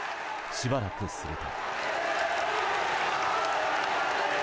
しばらくすると。